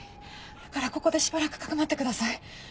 だからここでしばらく匿ってください。